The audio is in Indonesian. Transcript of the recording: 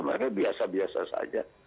mereka biasa biasa saja